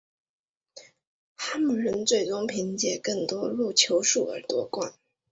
哈姆人最终凭借更多的入球数而夺冠。